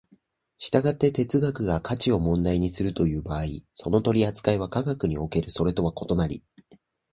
従って哲学が価値を問題にするという場合、その取扱いは科学におけるそれとは異なり、